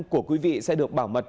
của quý vị sẽ được bảo mật